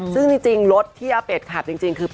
ซึ่งจริงรถที่อาเป็ดขับจริงคือ